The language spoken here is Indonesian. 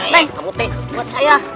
neng kamu neng buat saya